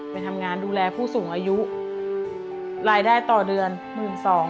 ไปทำงานดูแลผู้สูงอายุรายได้ต่อเดือน๑๒๐๐บาท